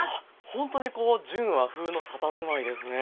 ほんとにこう純和風のたたずまいですね。